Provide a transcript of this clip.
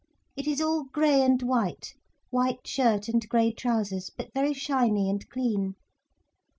It is all grey and white, white shirt and grey trousers, but very shiny and clean.